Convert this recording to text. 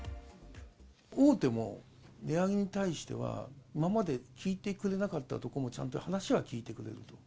大手も値上げに対しては、今まで聞いてくれなかった所もちゃんと話は聞いてくれると。